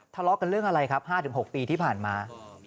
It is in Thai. ทะเลาะกันเรื่องอะไรครับ๕๖ปีที่ผ่านมา